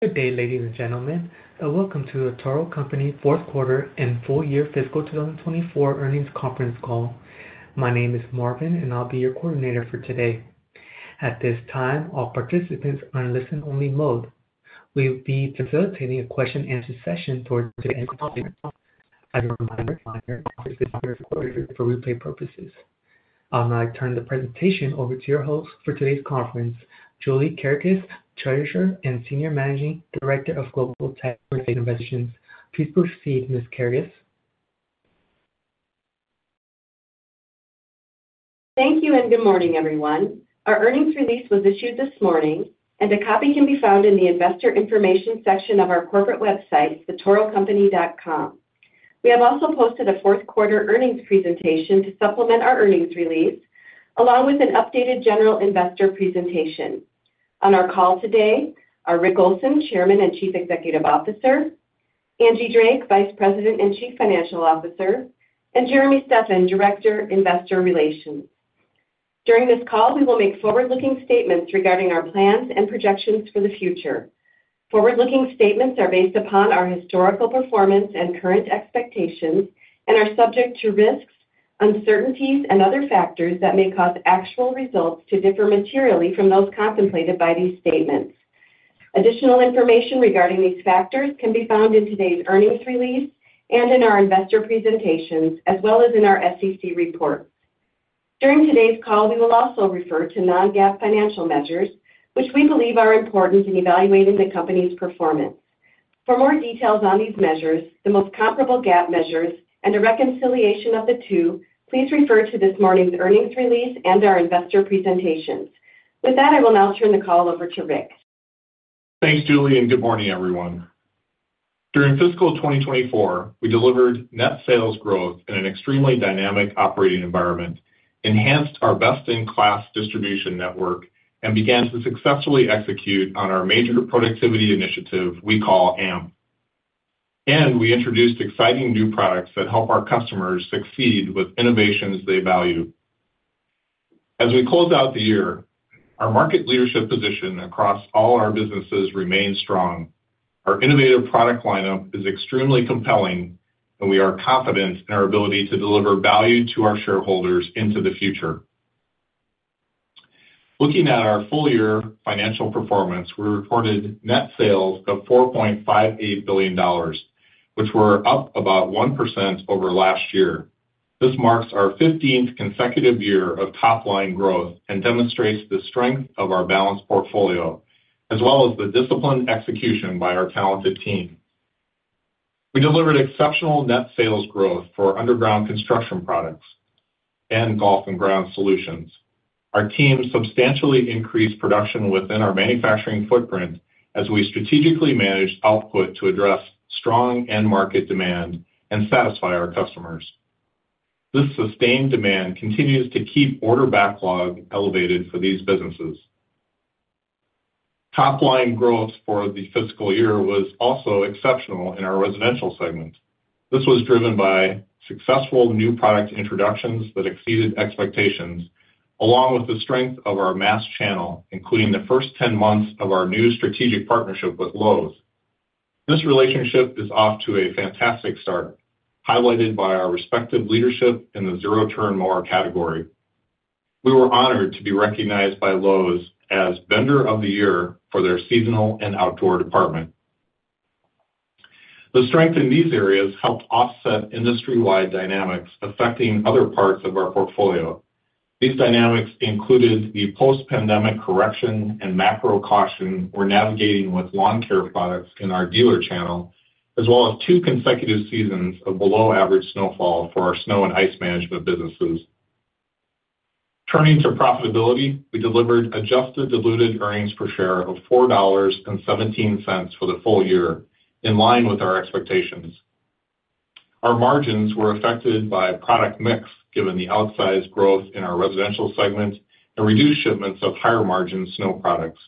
Good day, ladies and gentlemen. Welcome to the Toro Company Fourth Quarter and Full Year Fiscal 2024 Earnings Conference Call. My name is Marvin, and I'll be your coordinator for today. At this time, all participants are in listen-only mode. We will be facilitating a question-and-answer session towards the end of the conference. As a reminder, this is a recorded interview for replay purposes. I'll now turn the presentation over to your host for today's conference, Julie Kerekes, Treasurer and Senior Managing Director of Global Tax and Investments. Please proceed, Ms. Kerekes. Thank you and good morning, everyone. Our earnings release was issued this morning, and a copy can be found in the investor information section of our corporate website, www.thetorocompany.com. We have also posted a fourth quarter earnings presentation to supplement our earnings release, along with an updated general investor presentation. On our call today are Rick Olson, Chairman and Chief Executive Officer, Angie Drake, Vice President and Chief Financial Officer, and Jeremy Steffen, Director, Investor Relations. During this call, we will make forward-looking statements regarding our plans and projections for the future. Forward-looking statements are based upon our historical performance and current expectations and are subject to risks, uncertainties, and other factors that may cause actual results to differ materially from those contemplated by these statements. Additional information regarding these factors can be found in today's earnings release and in our investor presentations, as well as in our SEC report. During today's call, we will also refer to non-GAAP financial measures, which we believe are important in evaluating the company's performance. For more details on these measures, the most comparable GAAP measures, and a reconciliation of the two, please refer to this morning's earnings release and our investor presentations. With that, I will now turn the call over to Rick. Thanks, Julie, and good morning, everyone. During fiscal 2024, we delivered net sales growth in an extremely dynamic operating environment, enhanced our best-in-class distribution network, and began to successfully execute on our major productivity initiative we call A&P, and we introduced exciting new products that help our customers succeed with innovations they value. As we close out the year, our market leadership position across all our businesses remains strong. Our innovative product lineup is extremely compelling, and we are confident in our ability to deliver value to our shareholders into the future. Looking at our full year financial performance, we reported net sales of $4.58 billion, which were up about 1% over last year. This marks our 15th consecutive year of top-line growth and demonstrates the strength of our balanced portfolio, as well as the disciplined execution by our talented team. We delivered exceptional net sales growth for underground construction products and golf and ground solutions. Our team substantially increased production within our manufacturing footprint as we strategically managed output to address strong end-market demand and satisfy our customers. This sustained demand continues to keep order backlog elevated for these businesses. Top-line growth for the fiscal year was also exceptional in our residential segment. This was driven by successful new product introductions that exceeded expectations, along with the strength of our mass channel, including the first 10 months of our new strategic partnership with Lowe's. This relationship is off to a fantastic start, highlighted by our respective leadership in the zero-turn mower category. We were honored to be recognized by Lowe's as Vendor of the Year for their seasonal and outdoor department. The strength in these areas helped offset industry-wide dynamics affecting other parts of our portfolio. These dynamics included the post-pandemic correction and macro caution we're navigating with lawn care products in our dealer channel, as well as two consecutive seasons of below-average snowfall for our snow and ice management businesses. Turning to profitability, we delivered adjusted diluted earnings per share of $4.17 for the full year, in line with our expectations. Our margins were affected by product mix, given the outsized growth in our residential segment and reduced shipments of higher-margin snow products.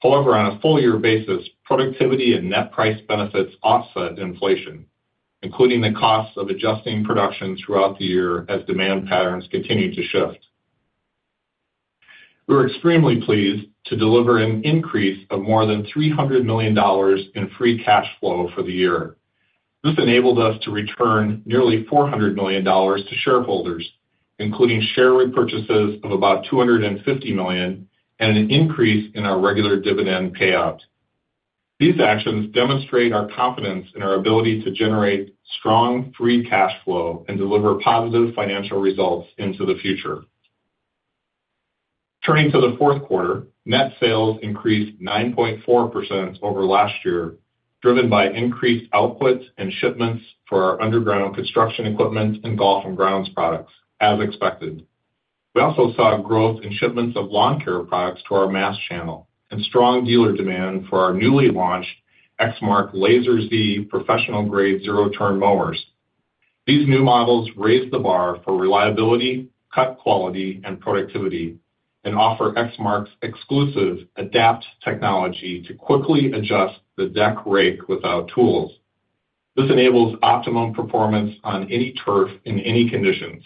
However, on a full-year basis, productivity and net price benefits offset inflation, including the costs of adjusting production throughout the year as demand patterns continue to shift. We were extremely pleased to deliver an increase of more than $300 million in free cash flow for the year. This enabled us to return nearly $400 million to shareholders, including share repurchases of about $250 million and an increase in our regular dividend payout. These actions demonstrate our confidence in our ability to generate strong free cash flow and deliver positive financial results into the future. Turning to the fourth quarter, net sales increased 9.4% over last year, driven by increased output and shipments for our underground construction equipment and golf and grounds products, as expected. We also saw growth in shipments of lawn care products to our mass channel and strong dealer demand for our newly launched Exmark Lazer Z Professional Grade Zero Turn Mowers. These new models raise the bar for reliability, cut quality, and productivity, and offer Exmark's exclusive Adapt technology to quickly adjust the deck rake without tools. This enables optimum performance on any turf in any conditions.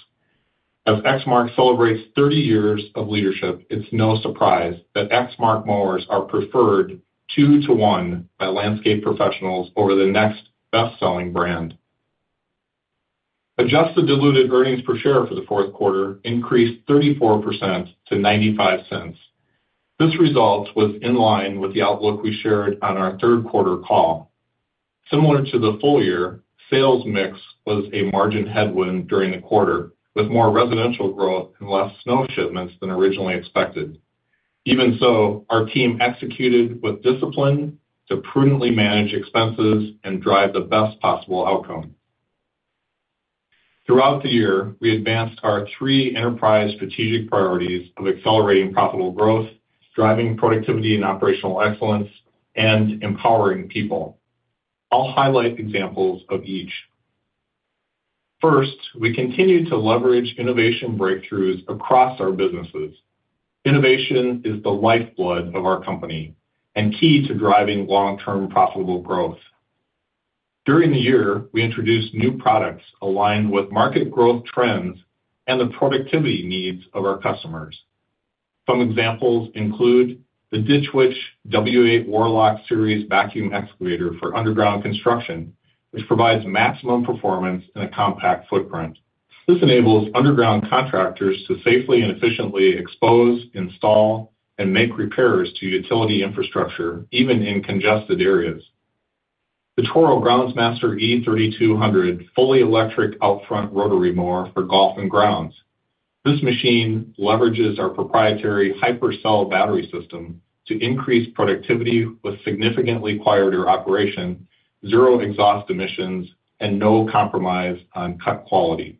As Exmark celebrates 30 years of leadership, it's no surprise that Exmark mowers are preferred two to one by landscape professionals over the next best-selling brand. Adjusted diluted earnings per share for the fourth quarter increased 34% to $0.95. This result was in line with the outlook we shared on our third quarter call. Similar to the full year, sales mix was a margin headwind during the quarter, with more residential growth and less snow shipments than originally expected. Even so, our team executed with discipline to prudently manage expenses and drive the best possible outcome. Throughout the year, we advanced our three enterprise strategic priorities of accelerating profitable growth, driving productivity and operational excellence, and empowering people. I'll highlight examples of each. First, we continue to leverage innovation breakthroughs across our businesses. Innovation is the lifeblood of our company and key to driving long-term profitable growth. During the year, we introduced new products aligned with market growth trends and the productivity needs of our customers. Some examples include the Ditch Witch W8 truck vacuum excavator for underground construction, which provides maximum performance and a compact footprint. This enables underground contractors to safely and efficiently expose, install, and make repairs to utility infrastructure, even in congested areas. The Toro Groundsmaster e3200 fully electric out-front rotary mower for golf and grounds. This machine leverages our proprietary HyperCell battery system to increase productivity with significantly quieter operation, zero exhaust emissions, and no compromise on cut quality.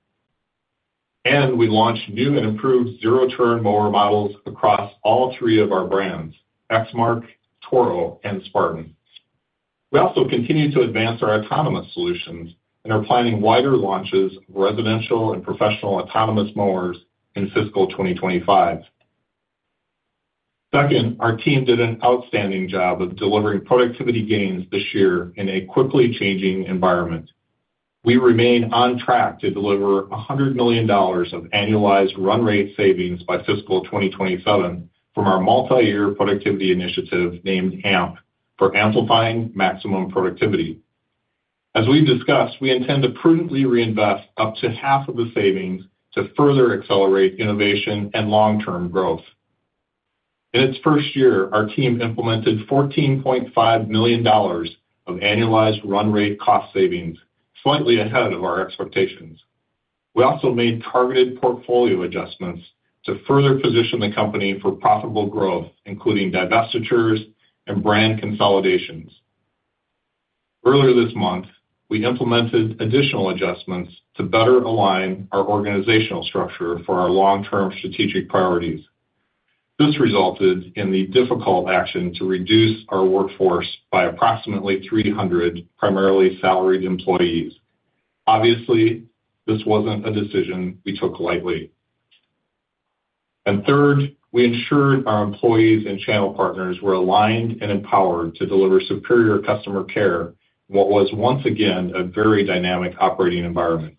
And we launched new and improved zero-turn mower models across all three of our brands: Exmark, Toro, and Spartan. We also continue to advance our autonomous solutions and are planning wider launches of residential and professional autonomous mowers in fiscal 2025. Second, our team did an outstanding job of delivering productivity gains this year in a quickly changing environment. We remain on track to deliver $100 million of annualized run rate savings by fiscal 2027 from our multi-year productivity initiative named AMP for amplifying maximum productivity. As we've discussed, we intend to prudently reinvest up to half of the savings to further accelerate innovation and long-term growth. In its first year, our team implemented $14.5 million of annualized run rate cost savings, slightly ahead of our expectations. We also made targeted portfolio adjustments to further position the company for profitable growth, including divestitures and brand consolidations. Earlier this month, we implemented additional adjustments to better align our organizational structure for our long-term strategic priorities. This resulted in the difficult action to reduce our workforce by approximately 300 primarily salaried employees. Obviously, this wasn't a decision we took lightly. Third, we ensured our employees and channel partners were aligned and empowered to deliver superior customer care in what was once again a very dynamic operating environment.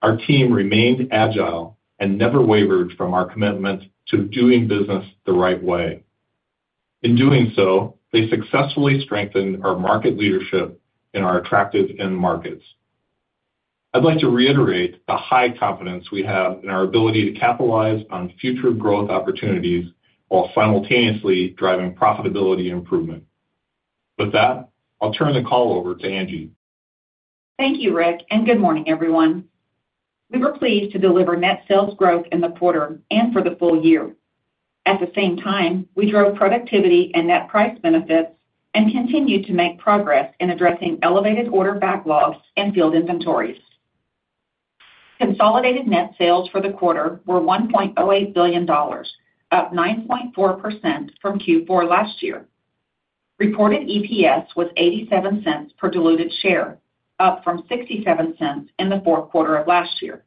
Our team remained agile and never wavered from our commitment to doing business the right way. In doing so, they successfully strengthened our market leadership in our attractive end markets. I'd like to reiterate the high confidence we have in our ability to capitalize on future growth opportunities while simultaneously driving profitability improvement. With that, I'll turn the call over to Angie. Thank you, Rick, and good morning, everyone. We were pleased to deliver net sales growth in the quarter and for the full year. At the same time, we drove productivity and net price benefits and continued to make progress in addressing elevated order backlogs and field inventories. Consolidated net sales for the quarter were $1.08 billion, up 9.4% from Q4 last year. Reported EPS was $0.87 per diluted share, up from $0.67 in the fourth quarter of last year.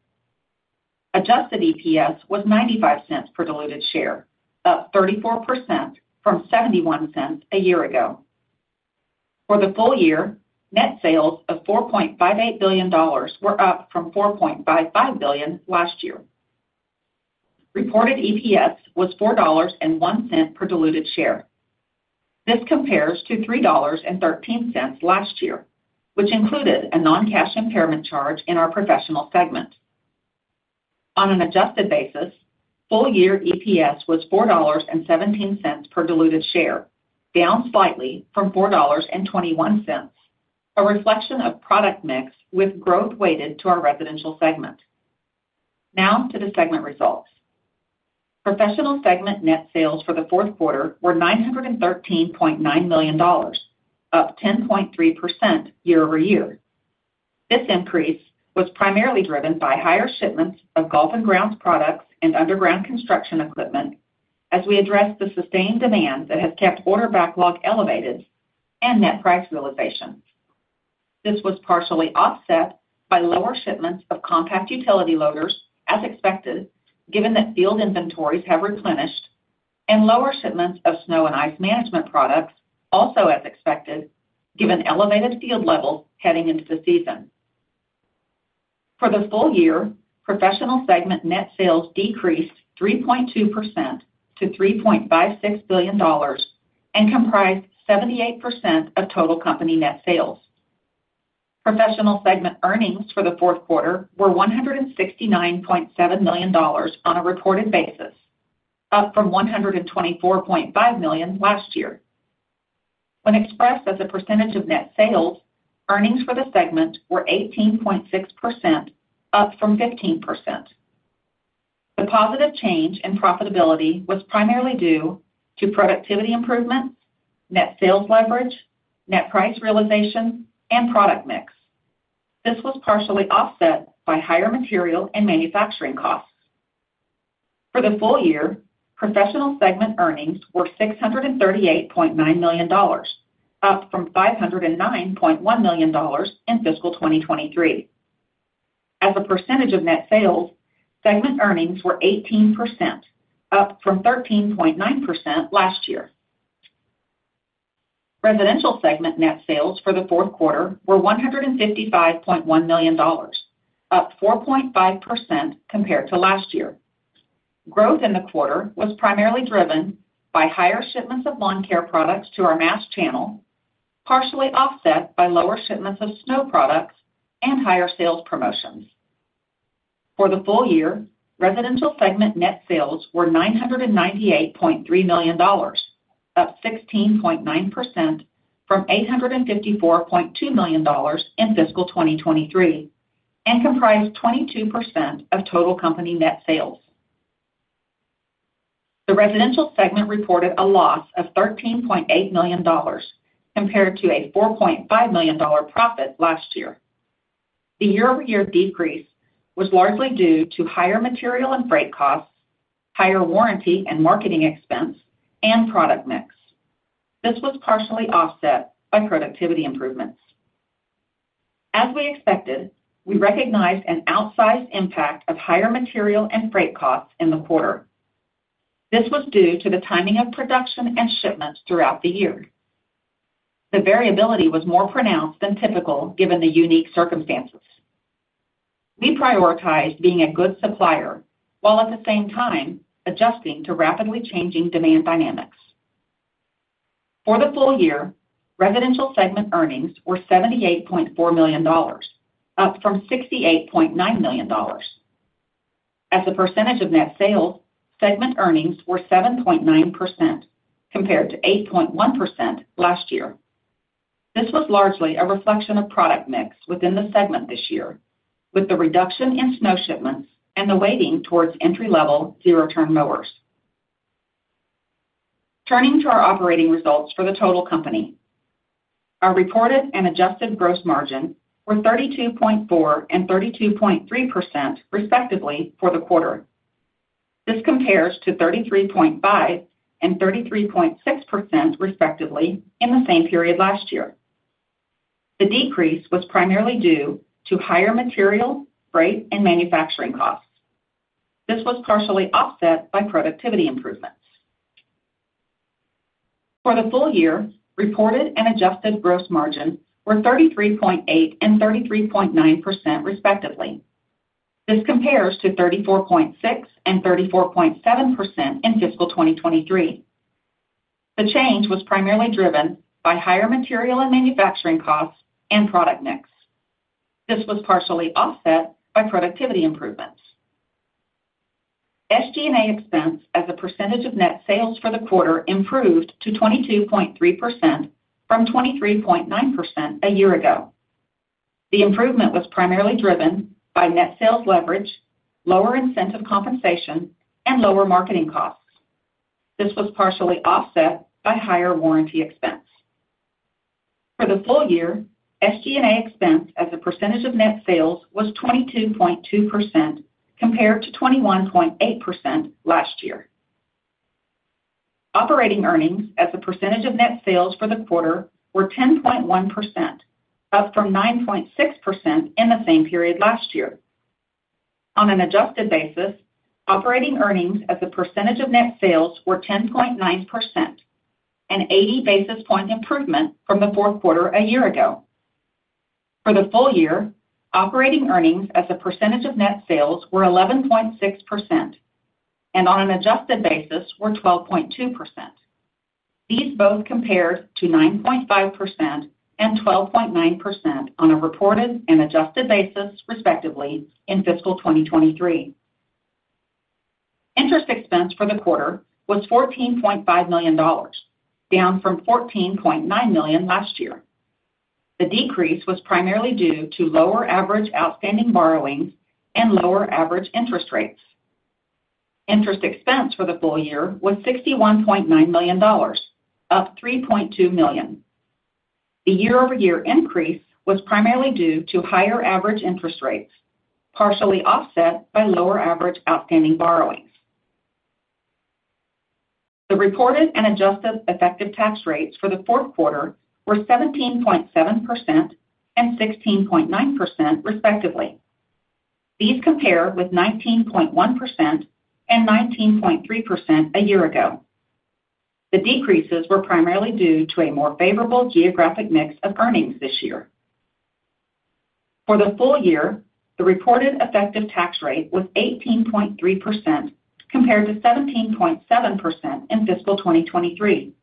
Adjusted EPS was $0.95 per diluted share, up 34% from $0.71 a year ago. For the full year, net sales of $4.58 billion were up from $4.55 billion last year. Reported EPS was $4.01 per diluted share. This compares to $3.13 last year, which included a non-cash impairment charge in our professional segment. On an adjusted basis, full year EPS was $4.17 per diluted share, down slightly from $4.21, a reflection of product mix with growth weighted to our residential segment. Now to the segment results. Professional segment net sales for the fourth quarter were $913.9 million, up 10.3% year over year. This increase was primarily driven by higher shipments of golf and grounds products and underground construction equipment as we addressed the sustained demand that has kept order backlog elevated and net price realization. This was partially offset by lower shipments of compact utility loaders, as expected, given that field inventories have replenished, and lower shipments of snow and ice management products, also as expected, given elevated field levels heading into the season. For the full year, professional segment net sales decreased 3.2% to $3.56 billion and comprised 78% of total company net sales. Professional segment earnings for the fourth quarter were $169.7 million on a reported basis, up from $124.5 million last year. When expressed as a percentage of net sales, earnings for the segment were 18.6%, up from 15%. The positive change in profitability was primarily due to productivity improvement, net sales leverage, net price realization, and product mix. This was partially offset by higher material and manufacturing costs. For the full year, professional segment earnings were $638.9 million, up from $509.1 million in fiscal 2023. As a percentage of net sales, segment earnings were 18%, up from 13.9% last year. Residential segment net sales for the fourth quarter were $155.1 million, up 4.5% compared to last year. Growth in the quarter was primarily driven by higher shipments of lawn care products to our mass channel, partially offset by lower shipments of snow products and higher sales promotions. For the full year, residential segment net sales were $998.3 million, up 16.9% from $854.2 million in fiscal 2023, and comprised 22% of total company net sales. The residential segment reported a loss of $13.8 million compared to a $4.5 million profit last year. The year-over-year decrease was largely due to higher material and freight costs, higher warranty and marketing expense, and product mix. This was partially offset by productivity improvements. As we expected, we recognized an outsized impact of higher material and freight costs in the quarter. This was due to the timing of production and shipments throughout the year. The variability was more pronounced than typical given the unique circumstances. We prioritized being a good supplier while at the same time adjusting to rapidly changing demand dynamics. For the full year, residential segment earnings were $78.4 million, up from $68.9 million. As a percentage of net sales, segment earnings were 7.9% compared to 8.1% last year. This was largely a reflection of product mix within the segment this year, with the reduction in snow shipments and the weighting towards entry-level zero-turn mowers. Turning to our operating results for the total company, our reported and adjusted gross margin were 32.4% and 32.3% respectively for the quarter. This compares to 33.5% and 33.6% respectively in the same period last year. The decrease was primarily due to higher material, rate, and manufacturing costs. This was partially offset by productivity improvements. For the full year, reported and adjusted gross margin were 33.8% and 33.9% respectively. This compares to 34.6% and 34.7% in fiscal 2023. The change was primarily driven by higher material and manufacturing costs and product mix. This was partially offset by productivity improvements. SG&A expense as a percentage of net sales for the quarter improved to 22.3% from 23.9% a year ago. The improvement was primarily driven by net sales leverage, lower incentive compensation, and lower marketing costs. This was partially offset by higher warranty expense. For the full year, SG&A expense as a percentage of net sales was 22.2% compared to 21.8% last year. Operating earnings as a percentage of net sales for the quarter were 10.1%, up from 9.6% in the same period last year. On an adjusted basis, operating earnings as a percentage of net sales were 10.9%, an 80 basis point improvement from the fourth quarter a year ago. For the full year, operating earnings as a percentage of net sales were 11.6%, and on an adjusted basis were 12.2%. These both compared to 9.5% and 12.9% on a reported and adjusted basis respectively in fiscal 2023. Interest expense for the quarter was $14.5 million, down from $14.9 million last year. The decrease was primarily due to lower average outstanding borrowings and lower average interest rates. Interest expense for the full year was $61.9 million, up $3.2 million. The year-over-year increase was primarily due to higher average interest rates, partially offset by lower average outstanding borrowings. The reported and adjusted effective tax rates for the fourth quarter were 17.7% and 16.9% respectively. These compare with 19.1% and 19.3% a year ago. The decreases were primarily due to a more favorable geographic mix of earnings this year. For the full year, the reported effective tax rate was 18.3% compared to 17.7% in fiscal 2023.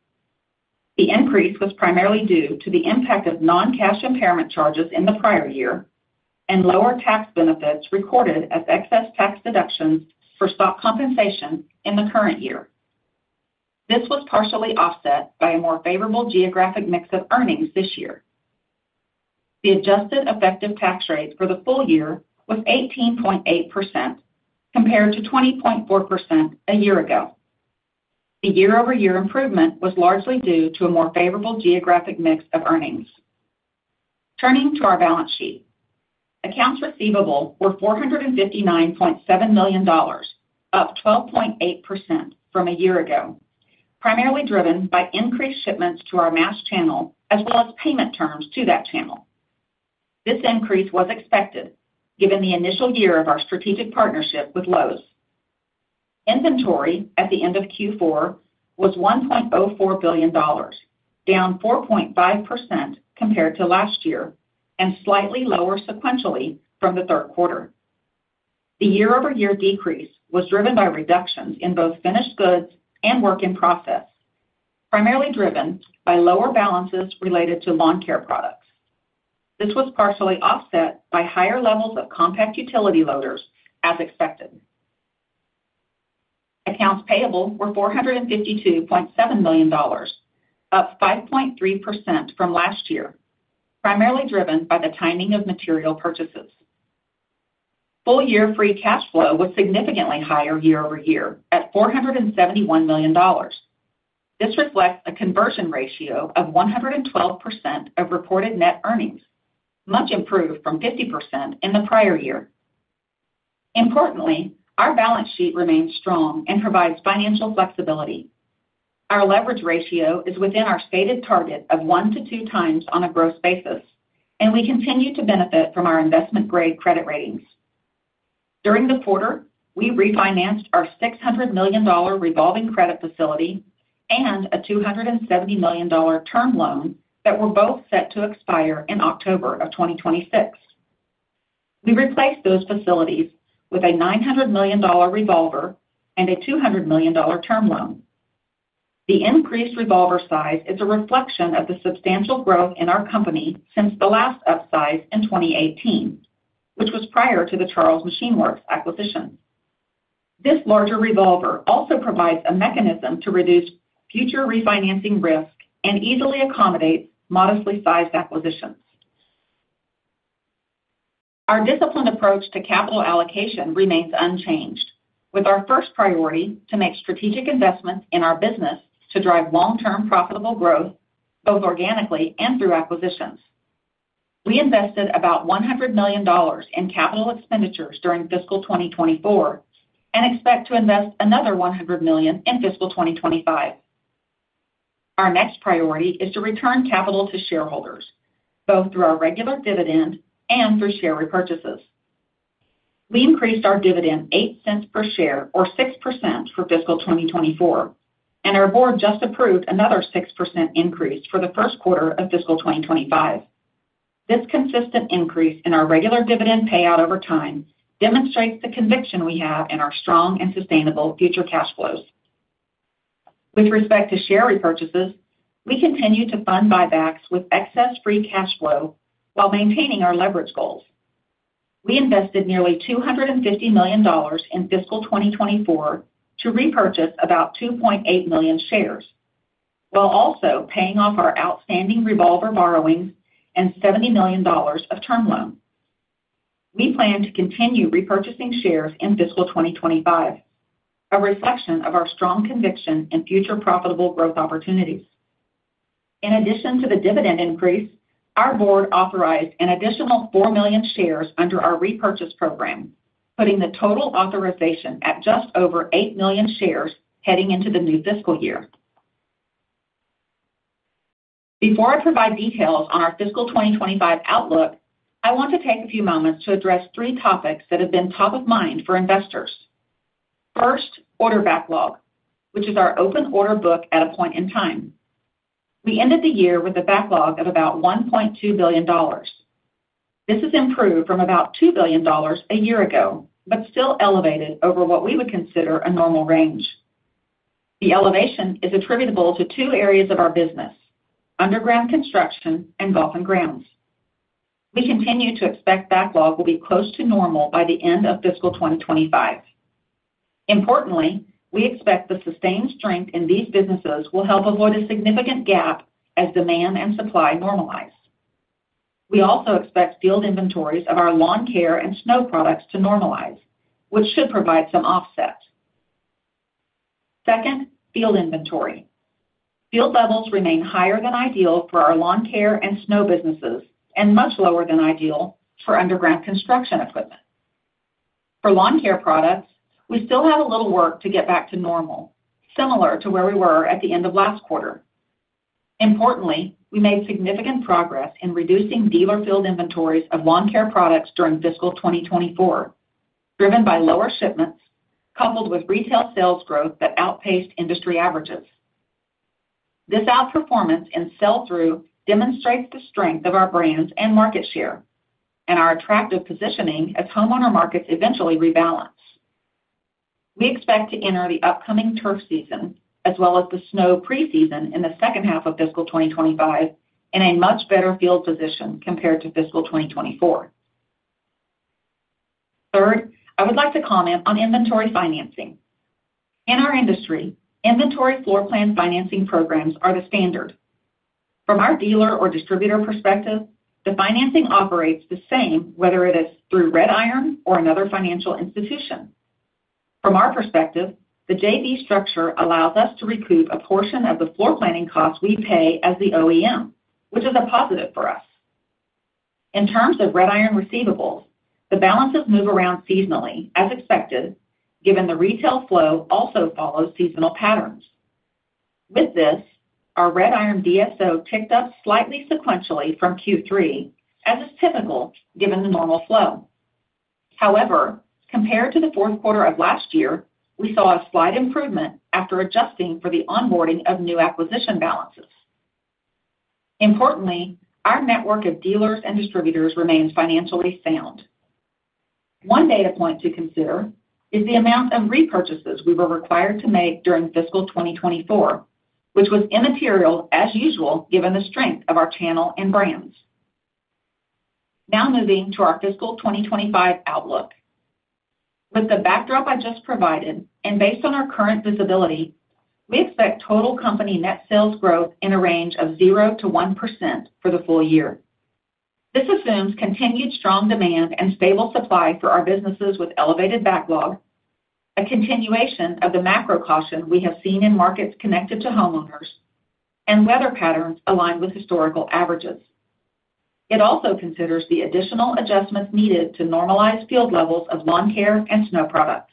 The increase was primarily due to the impact of non-cash impairment charges in the prior year and lower tax benefits recorded as excess tax deductions for stock compensation in the current year. This was partially offset by a more favorable geographic mix of earnings this year. The adjusted effective tax rate for the full year was 18.8% compared to 20.4% a year ago. The year-over-year improvement was largely due to a more favorable geographic mix of earnings. Turning to our balance sheet, accounts receivable were $459.7 million, up 12.8% from a year ago, primarily driven by increased shipments to our mass channel as well as payment terms to that channel. This increase was expected given the initial year of our strategic partnership with Lowe's. Inventory at the end of Q4 was $1.04 billion, down 4.5% compared to last year and slightly lower sequentially from the third quarter. The year-over-year decrease was driven by reductions in both finished goods and work in process, primarily driven by lower balances related to lawn care products. This was partially offset by higher levels of compact utility loaders, as expected. Accounts payable were $452.7 million, up 5.3% from last year, primarily driven by the timing of material purchases. Full year free cash flow was significantly higher year-over-year at $471 million. This reflects a conversion ratio of 112% of reported net earnings, much improved from 50% in the prior year. Importantly, our balance sheet remains strong and provides financial flexibility. Our leverage ratio is within our stated target of one to two times on a gross basis, and we continue to benefit from our investment-grade credit ratings. During the quarter, we refinanced our $600 million revolving credit facility and a $270 million term loan that were both set to expire in October of 2026. We replaced those facilities with a $900 million revolver and a $200 million term loan. The increased revolver size is a reflection of the substantial growth in our company since the last upsize in 2018, which was prior to the Charles Machine Works acquisition. This larger revolver also provides a mechanism to reduce future refinancing risk and easily accommodates modestly sized acquisitions. Our disciplined approach to capital allocation remains unchanged, with our first priority to make strategic investments in our business to drive long-term profitable growth, both organically and through acquisitions. We invested about $100 million in capital expenditures during fiscal 2024 and expect to invest another $100 million in fiscal 2025. Our next priority is to return capital to shareholders, both through our regular dividend and through share repurchases. We increased our dividend $0.08 per share, or 6%, for fiscal 2024, and our board just approved another 6% increase for the first quarter of fiscal 2025. This consistent increase in our regular dividend payout over time demonstrates the conviction we have in our strong and sustainable future cash flows. With respect to share repurchases, we continue to fund buybacks with excess free cash flow while maintaining our leverage goals. We invested nearly $250 million in fiscal 2024 to repurchase about 2.8 million shares, while also paying off our outstanding revolver borrowings and $70 million of term loan. We plan to continue repurchasing shares in fiscal 2025, a reflection of our strong conviction in future profitable growth opportunities. In addition to the dividend increase, our board authorized an additional four million shares under our repurchase program, putting the total authorization at just over eight million shares heading into the new fiscal year. Before I provide details on our fiscal 2025 outlook, I want to take a few moments to address three topics that have been top of mind for investors. First, order backlog, which is our open order book at a point in time. We ended the year with a backlog of about $1.2 billion. This has improved from about $2 billion a year ago, but still elevated over what we would consider a normal range. The elevation is attributable to two areas of our business: underground construction and golf and grounds. We continue to expect backlog will be close to normal by the end of fiscal 2025. Importantly, we expect the sustained strength in these businesses will help avoid a significant gap as demand and supply normalize. We also expect field inventories of our lawn care and snow products to normalize, which should provide some offset. Second, field inventory. Field levels remain higher than ideal for our lawn care and snow businesses and much lower than ideal for underground construction equipment. For lawn care products, we still have a little work to get back to normal, similar to where we were at the end of last quarter. Importantly, we made significant progress in reducing dealer field inventories of lawn care products during fiscal 2024, driven by lower shipments coupled with retail sales growth that outpaced industry averages. This outperformance in sell-through demonstrates the strength of our brands and market share and our attractive positioning as homeowner markets eventually rebalance. We expect to enter the upcoming turf season as well as the snow pre-season in the second half of fiscal 2025 in a much better field position compared to fiscal 2024. Third, I would like to comment on inventory financing. In our industry, inventory floor plan financing programs are the standard. From our dealer or distributor perspective, the financing operates the same whether it is through Red Iron or another financial institution. From our perspective, the JV structure allows us to recoup a portion of the floor planning costs we pay as the OEM, which is a positive for us. In terms of Red Iron receivables, the balances move around seasonally as expected, given the retail flow also follows seasonal patterns. With this, our Red Iron DSO ticked up slightly sequentially from Q3, as is typical given the normal flow. However, compared to the fourth quarter of last year, we saw a slight improvement after adjusting for the onboarding of new acquisition balances. Importantly, our network of dealers and distributors remains financially sound. One data point to consider is the amount of repurchases we were required to make during fiscal 2024, which was immaterial as usual given the strength of our channel and brands. Now moving to our fiscal 2025 outlook. With the backdrop I just provided and based on our current visibility, we expect total company net sales growth in a range of 0%-1% for the full year. This assumes continued strong demand and stable supply for our businesses with elevated backlog, a continuation of the macro caution we have seen in markets connected to homeowners and weather patterns aligned with historical averages. It also considers the additional adjustments needed to normalize field levels of lawn care and snow products.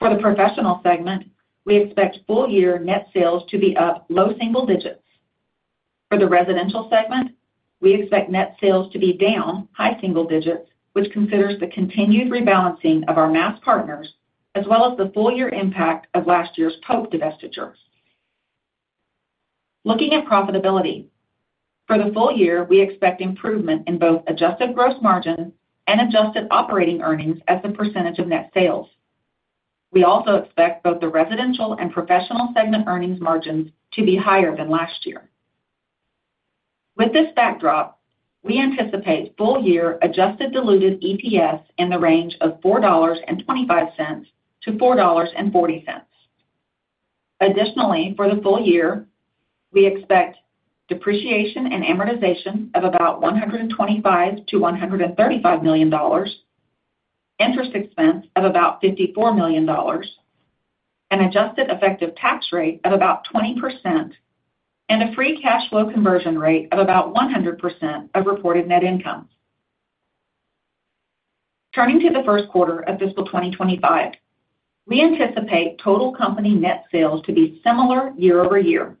For the professional segment, we expect full year net sales to be up low single digits. For the residential segment, we expect net sales to be down high single digits, which considers the continued rebalancing of our mass partners as well as the full year impact of last year's Pope divestiture. Looking at profitability, for the full year, we expect improvement in both adjusted gross margin and adjusted operating earnings as the percentage of net sales. We also expect both the residential and professional segment earnings margins to be higher than last year. With this backdrop, we anticipate full year adjusted diluted EPS in the range of $4.25-$4.40. Additionally, for the full year, we expect depreciation and amortization of about $125-$135 million, interest expense of about $54 million, an adjusted effective tax rate of about 20%, and a free cash flow conversion rate of about 100% of reported net income. Turning to the first quarter of fiscal 2025, we anticipate total company net sales to be similar year over year.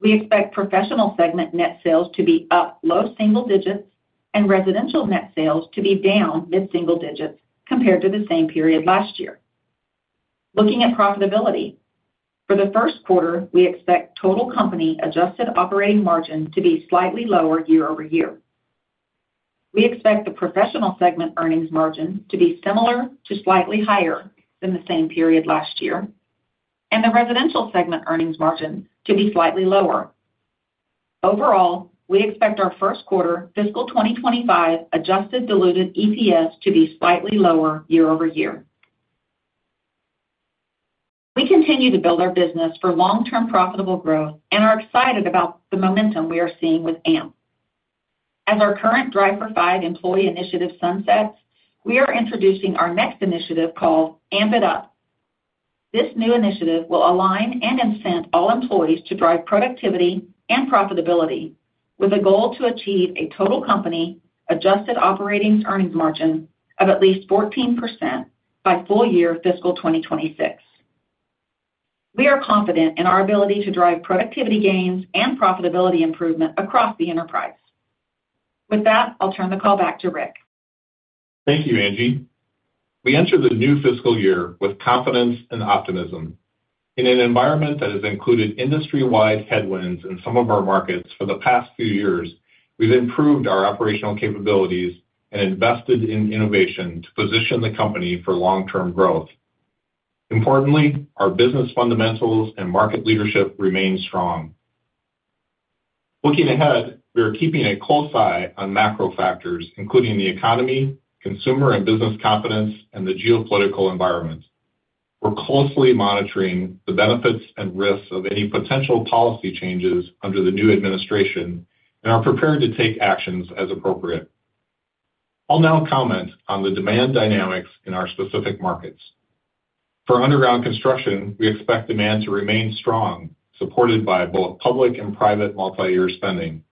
We expect professional segment net sales to be up low single digits and residential net sales to be down mid-single digits compared to the same period last year. Looking at profitability, for the first quarter, we expect total company adjusted operating margin to be slightly lower year over year. We expect the professional segment earnings margin to be similar to slightly higher than the same period last year and the residential segment earnings margin to be slightly lower. Overall, we expect our first quarter fiscal 2025 adjusted diluted EPS to be slightly lower year over year. We continue to build our business for long-term profitable growth and are excited about the momentum we are seeing with AMP. As our current Drive for Five employee initiative sunsets, we are introducing our next initiative called AMP It Up. This new initiative will align and incent all employees to drive productivity and profitability with a goal to achieve a total company adjusted operating earnings margin of at least 14% by full year fiscal 2026. We are confident in our ability to drive productivity gains and profitability improvement across the enterprise. With that, I'll turn the call back to Rick. Thank you, Angie. We enter the new fiscal year with confidence and optimism. In an environment that has included industry-wide headwinds in some of our markets for the past few years, we've improved our operational capabilities and invested in innovation to position the company for long-term growth. Importantly, our business fundamentals and market leadership remain strong. Looking ahead, we are keeping a close eye on macro factors, including the economy, consumer and business confidence, and the geopolitical environment. We're closely monitoring the benefits and risks of any potential policy changes under the new administration and are prepared to take actions as appropriate. I'll now comment on the demand dynamics in our specific markets. For underground construction, we expect demand to remain strong, supported by both public and private multi-year spending.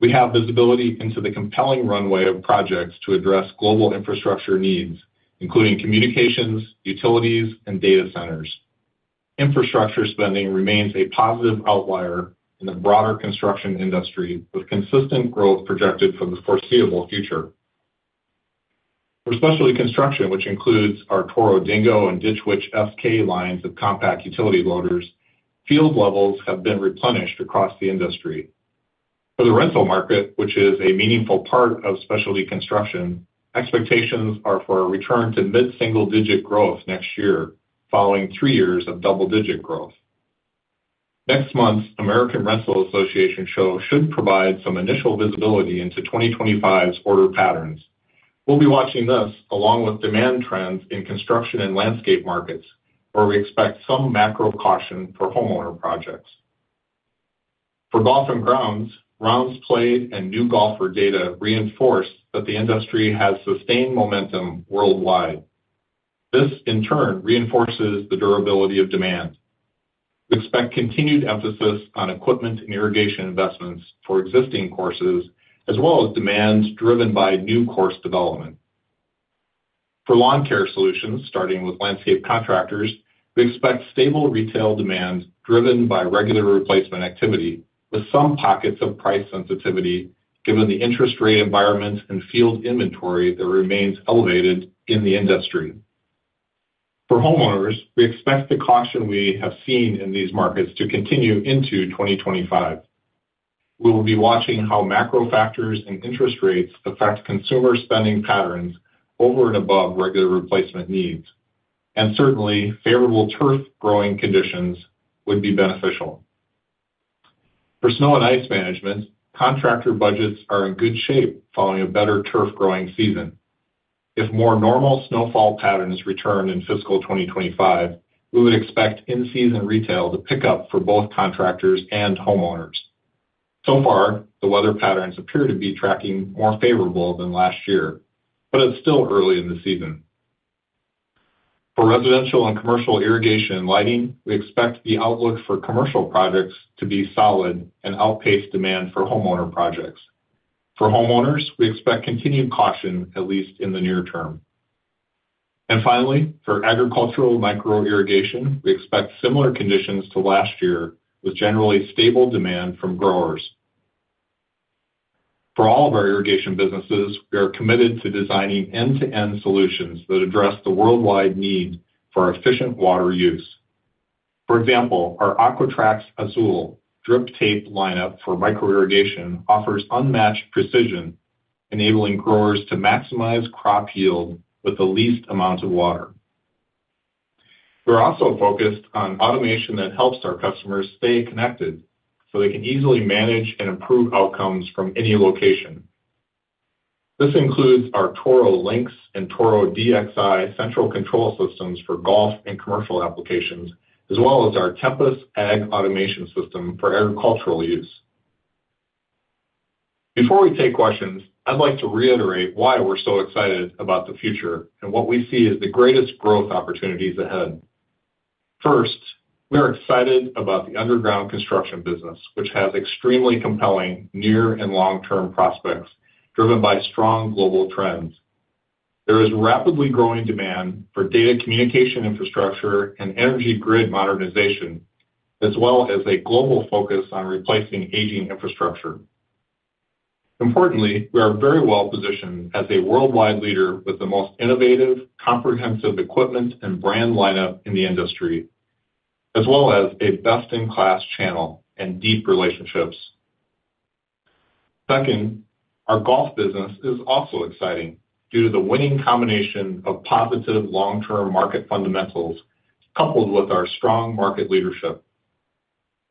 We have visibility into the compelling runway of projects to address global infrastructure needs, including communications, utilities, and data centers. Infrastructure spending remains a positive outlier in the broader construction industry, with consistent growth projected for the foreseeable future. For specialty construction, which includes our Toro Dingo and Ditch Witch SK Series of compact utility loaders, field levels have been replenished across the industry. For the rental market, which is a meaningful part of specialty construction, expectations are for a return to mid-single digit growth next year, following three years of double-digit growth. Next month's American Rental Association show should provide some initial visibility into 2025's order patterns. We'll be watching this along with demand trends in construction and landscape markets, where we expect some macro caution for homeowner projects. For golf and grounds, rounds played and new golfer data reinforced that the industry has sustained momentum worldwide. This, in turn, reinforces the durability of demand. We expect continued emphasis on equipment and irrigation investments for existing courses, as well as demand driven by new course development. For lawn care solutions, starting with landscape contractors, we expect stable retail demand driven by regular replacement activity, with some pockets of price sensitivity given the interest rate environment and field inventory that remains elevated in the industry. For homeowners, we expect the caution we have seen in these markets to continue into 2025. We will be watching how macro factors and interest rates affect consumer spending patterns over and above regular replacement needs, and certainly, favorable turf growing conditions would be beneficial. For snow and ice management, contractor budgets are in good shape following a better turf growing season. If more normal snowfall patterns return in fiscal 2025, we would expect in-season retail to pick up for both contractors and homeowners. So far, the weather patterns appear to be tracking more favorable than last year, but it's still early in the season. For residential and commercial irrigation and lighting, we expect the outlook for commercial projects to be solid and outpace demand for homeowner projects. For homeowners, we expect continued caution, at least in the near term. And finally, for agricultural micro irrigation, we expect similar conditions to last year, with generally stable demand from growers. For all of our irrigation businesses, we are committed to designing end-to-end solutions that address the worldwide need for efficient water use. For example, our Aqua-Traxx Azul drip tape lineup for micro irrigation offers unmatched precision, enabling growers to maximize crop yield with the least amount of water. We're also focused on automation that helps our customers stay connected so they can easily manage and improve outcomes from any location. This includes our Toro Lynx and Toro DXi central control systems for golf and commercial applications, as well as our Tempus Ag automation system for agricultural use. Before we take questions, I'd like to reiterate why we're so excited about the future and what we see as the greatest growth opportunities ahead. First, we are excited about the underground construction business, which has extremely compelling near and long-term prospects driven by strong global trends. There is rapidly growing demand for data communication infrastructure and energy grid modernization, as well as a global focus on replacing aging infrastructure. Importantly, we are very well positioned as a worldwide leader with the most innovative, comprehensive equipment and brand lineup in the industry, as well as a best-in-class channel and deep relationships. Second, our golf business is also exciting due to the winning combination of positive long-term market fundamentals coupled with our strong market leadership.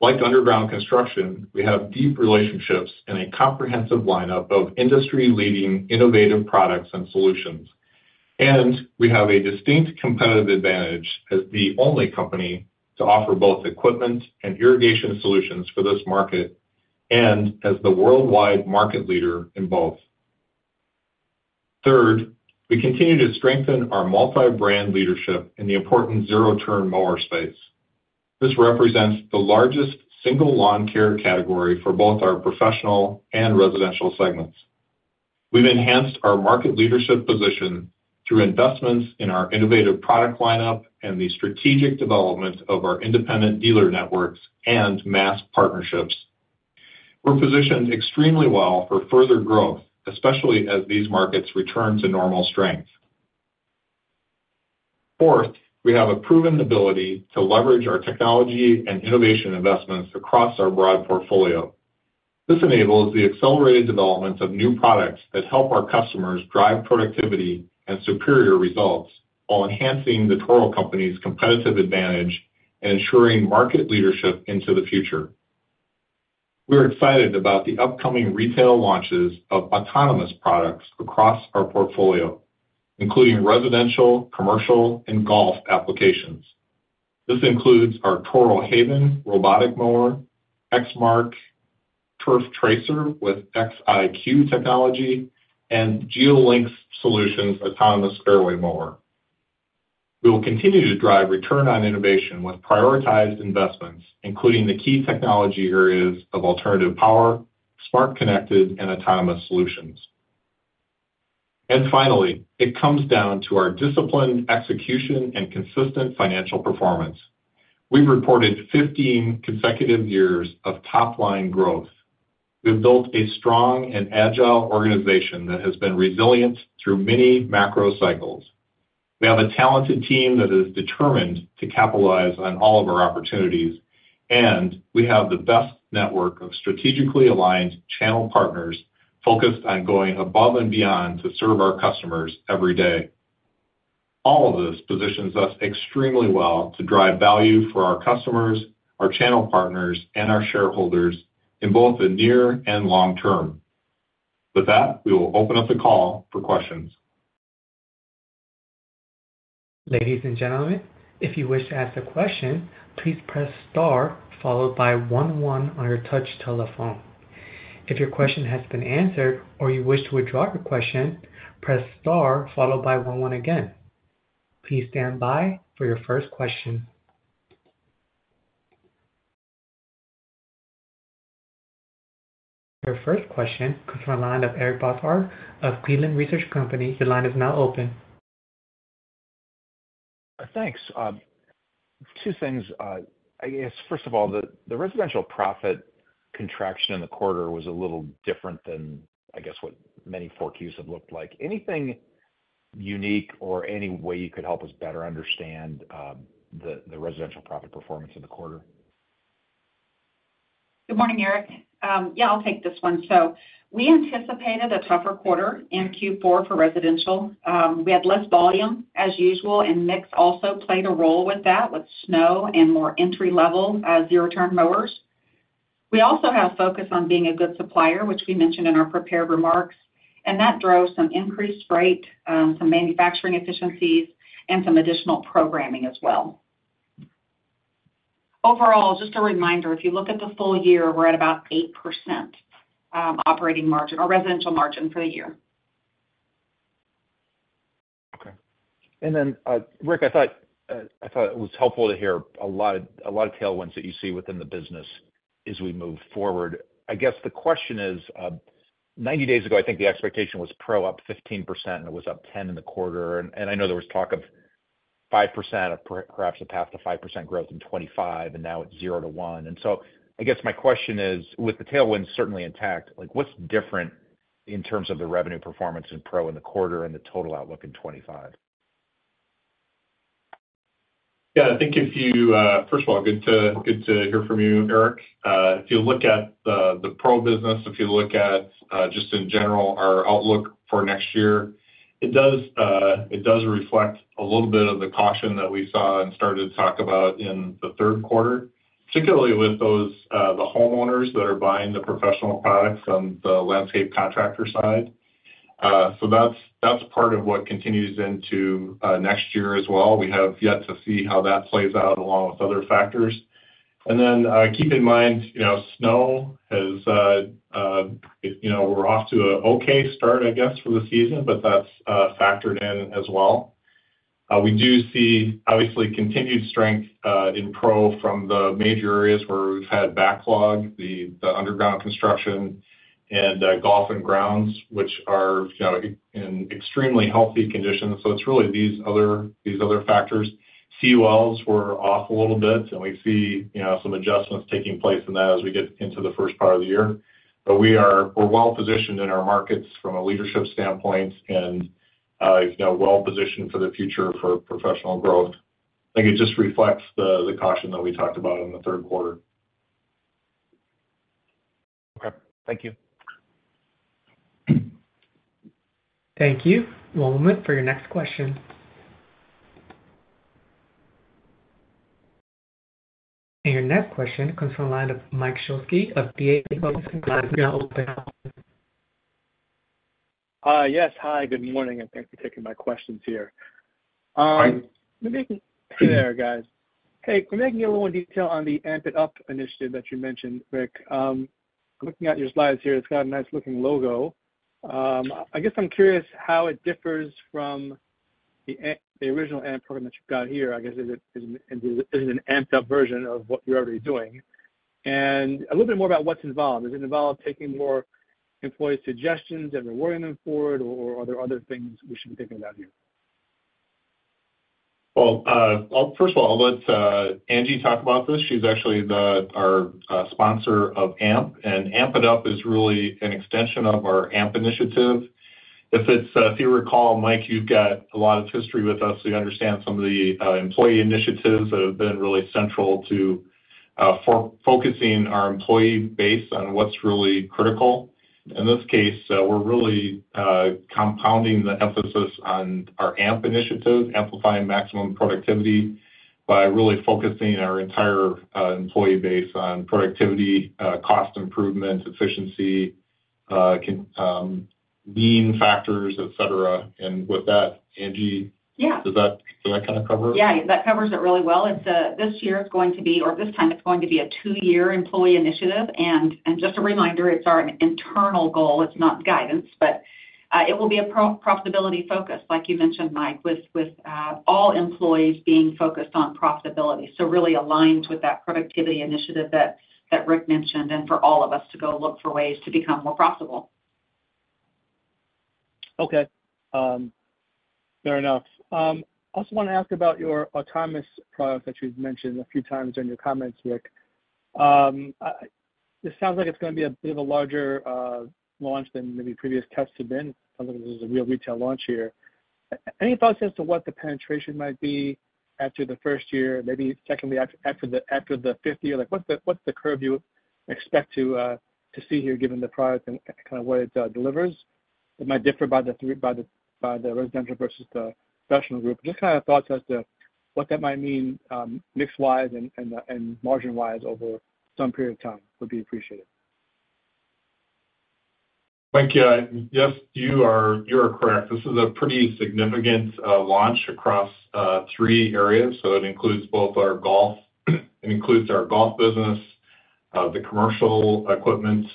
Like underground construction, we have deep relationships and a comprehensive lineup of industry-leading innovative products and solutions, and we have a distinct competitive advantage as the only company to offer both equipment and irrigation solutions for this market and as the worldwide market leader in both. Third, we continue to strengthen our multi-brand leadership in the important zero-turn mower space. This represents the largest single lawn care category for both our professional and residential segments. We've enhanced our market leadership position through investments in our innovative product lineup and the strategic development of our independent dealer networks and mass partnerships. We're positioned extremely well for further growth, especially as these markets return to normal strength. Fourth, we have a proven ability to leverage our technology and innovation investments across our broad portfolio. This enables the accelerated development of new products that help our customers drive productivity and superior results while enhancing the Toro Company's competitive advantage and ensuring market leadership into the future. We're excited about the upcoming retail launches of autonomous products across our portfolio, including residential, commercial, and golf applications. This includes our Toro HAVN robotic mower, Exmark Turf Tracer with Ex-iQ technology, and GeoLink Solutions autonomous fairway mower. We will continue to drive return on innovation with prioritized investments, including the key technology areas of alternative power, smart connected, and autonomous solutions. And finally, it comes down to our disciplined execution and consistent financial performance. We've reported 15 consecutive years of top-line growth. We've built a strong and agile organization that has been resilient through many macro cycles. We have a talented team that is determined to capitalize on all of our opportunities, and we have the best network of strategically aligned channel partners focused on going above and beyond to serve our customers every day. All of this positions us extremely well to drive value for our customers, our channel partners, and our shareholders in both the near and long term. With that, we will open up the call for questions. Ladies and gentlemen, if you wish to ask a question, please press Star followed by one one on your touch telephone. If your question has been answered or you wish to withdraw your question, press Star followed by one one again. Please stand by for your first question. Your first question comes from the line of Eric Bosshard of Cleveland Research Company. Your line is now open. Thanks. Two things. I guess, first of all, the residential profit contraction in the quarter was a little different than, I guess, what many forecasts have looked like. Anything unique or any way you could help us better understand the residential profit performance of the quarter? Good morning, Eric. Yeah, I'll take this one. So we anticipated a tougher quarter in Q4 for residential. We had less volume as usual, and mix also played a role with that, with snow and more entry-level zero-turn mowers. We also have focus on being a good supplier, which we mentioned in our prepared remarks, and that drove some increased rate, some manufacturing efficiencies, and some additional programming as well. Overall, just a reminder, if you look at the full year, we're at about 8% operating margin or residential margin for the year. Okay. And then, Rick, I thought it was helpful to hear a lot of tailwinds that you see within the business as we move forward. I guess the question is, 90 days ago, I think the expectation was pro up 15%, and it was up 10% in the quarter. And I know there was talk of 5%, perhaps a path to 5% growth in 2025, and now it's 0% to 1%. And so I guess my question is, with the tailwinds certainly intact, what's different in terms of the revenue performance in pro in the quarter and the total outlook in 2025? Yeah, I think if you first of all, good to hear from you, Eric. If you look at the pro business, if you look at just in general our outlook for next year, it does reflect a little bit of the caution that we saw and started to talk about in the third quarter, particularly with the homeowners that are buying the professional products on the landscape contractor side. So that's part of what continues into next year as well. We have yet to see how that plays out along with other factors. And then keep in mind, snow has, we're off to an okay start, I guess, for the season, but that's factored in as well. We do see, obviously, continued strength in pro from the major areas where we've had backlog, the underground construction, and golf and grounds, which are in extremely healthy conditions. So it's really these other factors. CULs were off a little bit, and we see some adjustments taking place in that as we get into the first part of the year. But we're well positioned in our markets from a leadership standpoint and well positioned for the future for professional growth. I think it just reflects the caution that we talked about in the third quarter. Okay. Thank you. Thank you. One moment for your next question. And your next question comes from the line of Mike Shlisky of D.A. Davidson. Yes. Hi, good morning, and thanks for taking my questions here. Hey there, guys. Hey, can we get a little more detail on the AMP It Up initiative that you mentioned, Rick? Looking at your slides here, it's got a nice-looking logo. I guess I'm curious how it differs from the original AMP program that you've got here. I guess, is it an AMP It Up version of what you're already doing? And a little bit more about what's involved. Is it involved taking more employee suggestions and rewarding them for it, or are there other things we should be thinking about here? Well, first of all, I'll let Angie talk about this. She's actually our sponsor of AMP, and AMP It Up is really an extension of our AMP initiative. If you recall, Mike, you've got a lot of history with us. We understand some of the employee initiatives that have been really central to focusing our employee base on what's really critical. In this case, we're really compounding the emphasis on our AMP initiative, amplifying maximum productivity by really focusing our entire employee base on productivity, cost improvement, efficiency, lean factors, etc. And with that, Angie, does that kind of cover? Yeah, that covers it really well. This year is going to be, or this time it's going to be a two-year employee initiative, and just a reminder, it's our internal goal. It's not guidance, but it will be a profitability focus, like you mentioned, Mike, with all employees being focused on profitability. So really aligned with that productivity initiative that Rick mentioned and for all of us to go look for ways to become more profitable. Okay. Fair enough. I also want to ask about your autonomous products that you've mentioned a few times in your comments, Rick. It sounds like it's going to be a bit of a larger launch than maybe previous tests have been. It sounds like this is a real retail launch here. Any thoughts as to what the penetration might be after the first year, maybe secondly after the fifth year? What's the curve you expect to see here given the product and kind of what it delivers? It might differ by the residential versus the professional group. Just kind of thoughts as to what that might mean mixed-wise and margin-wise over some period of time would be appreciated. Thank you. Yes, you are correct. This is a pretty significant launch across three areas. So it includes both our golf, it includes our golf business, the commercial equipment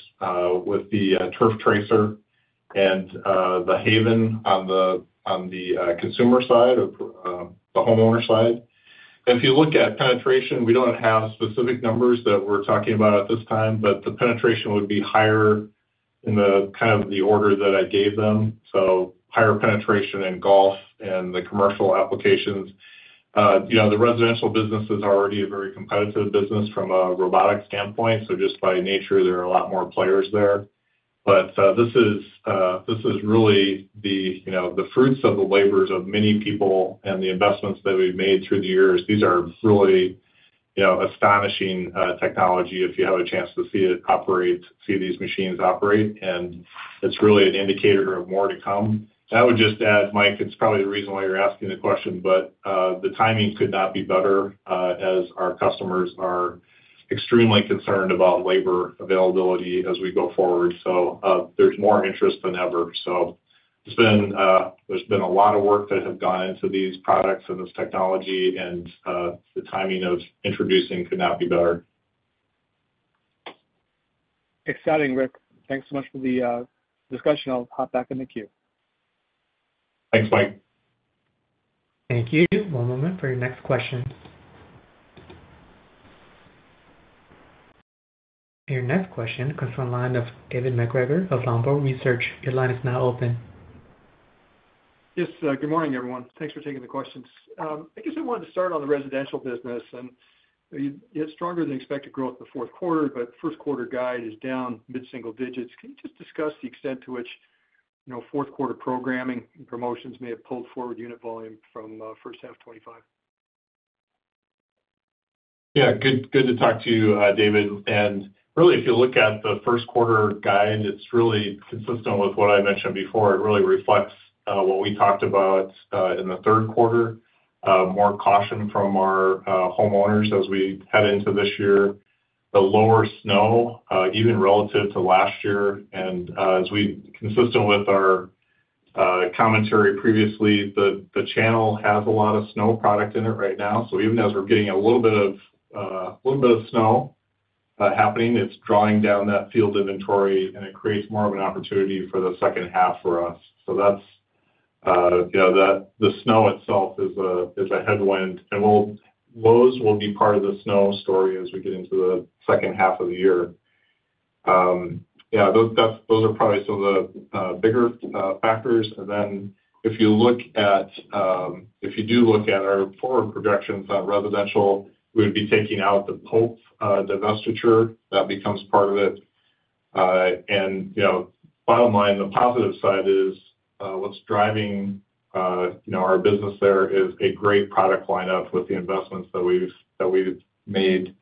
with the Turf Tracer, and the Haven on the consumer side, the homeowner side. If you look at penetration, we don't have specific numbers that we're talking about at this time, but the penetration would be higher in the kind of the order that I gave them. So higher penetration in golf and the commercial applications. The residential business is already a very competitive business from a robotic standpoint. So just by nature, there are a lot more players there. But this is really the fruits of the labors of many people and the investments that we've made through the years. These are really astonishing technology. If you have a chance to see it operate, see these machines operate, and it's really an indicator of more to come. I would just add, Mike, it's probably the reason why you're asking the question, but the timing could not be better as our customers are extremely concerned about labor availability as we go forward. So there's more interest than ever. So there's been a lot of work that has gone into these products and this technology, and the timing of introducing could not be better. Exciting, Rick. Thanks so much for the discussion. I'll hop back in the queue. Thanks, Mike. Thank you. One moment for your next question. Your next question comes from the line of David MacGregor of Longbow Research. Your line is now open. Yes. Good morning, everyone. Thanks for taking the questions. I guess I wanted to start on the residential business. And you had stronger-than-expected growth the fourth quarter, but the first quarter guide is down mid-single digits. Can you just discuss the extent to which fourth quarter programming and promotions may have pulled forward unit volume from first half 2025? Yeah. Good to talk to you, David. And really, if you look at the first quarter guide, it's really consistent with what I mentioned before. It really reflects what we talked about in the third quarter, more caution from our homeowners as we head into this year, the lower snow, even relative to last year. As we've been consistent with our commentary previously, the channel has a lot of snow product in it right now. Even as we're getting a little bit of snow happening, it's drawing down that field inventory, and it creates more of an opportunity for the second half for us. The snow itself is a headwind. Those will be part of the snow story as we get into the second half of the year. Yeah, those are probably some of the bigger factors. Then if you look at our forward projections on residential, we would be taking out the Pope divestiture. That becomes part of it. Bottom line, the positive side is what's driving our business there is a great product lineup with the investments that we've made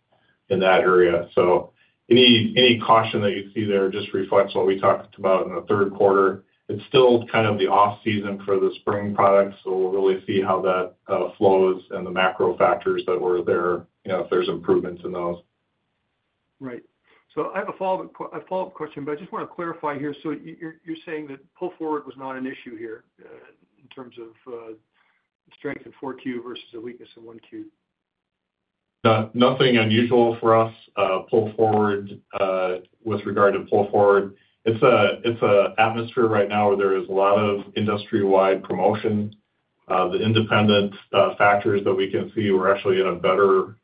in that area. So any caution that you see there just reflects what we talked about in the third quarter. It's still kind of the off-season for the spring products. So we'll really see how that flows and the macro factors that were there if there's improvements in those. Right. So I have a follow-up question, but I just want to clarify here. So you're saying that pull forward was not an issue here in terms of strength in fourth quarter versus a weakness in first quarter? Nothing unusual for us. Pull forward with regard to pull forward. It's an atmosphere right now where there is a lot of industry-wide promotion. The independent factors that we can see were actually in a better,